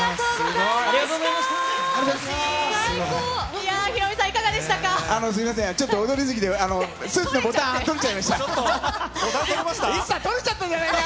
いやぁ、ヒロミさん、いかがすみません、ちょっと踊り過ぎて、スーツのボタン、取れちゃいました。